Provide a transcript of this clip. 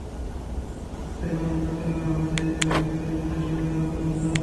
যাঁরা পড়তে পারেন না, তাঁরা হজে যাঁরা গেছেন, তাঁদের সঙ্গে আলাপ-আলোচনা করুন।